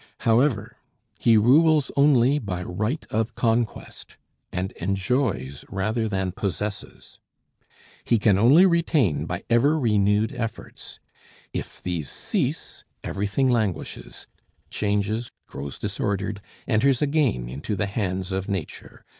However, he rules only by right of conquest, and enjoys rather than possesses. He can only retain by ever renewed efforts. If these cease, everything languishes, changes, grows disordered, enters again into the hands of Nature.